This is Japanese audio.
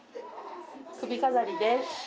首飾りです。